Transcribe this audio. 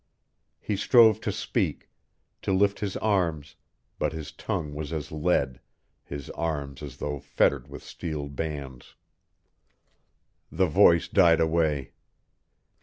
He strove to speak, to lift his arms, but his tongue was as lead, his arms as though fettered with steel bands. The voice died away.